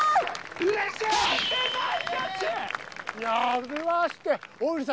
やりました！